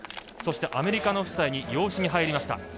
そして、アメリカの夫妻に養子に入りました。